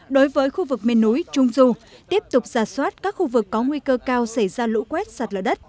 đối với khu vực miền núi trung du tiếp tục giả soát các khu vực có nguy cơ cao xảy ra lũ quét sạt lở đất